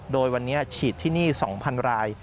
โดยวันนี้ฉีดที่นี่๒๐๐ราย